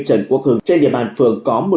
trần quốc hương trên địa bàn phường có